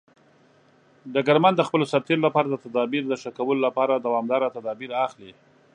ډګرمن د خپلو سرتیرو لپاره د تدابیر د ښه کولو لپاره دوامداره تدابیر اخلي.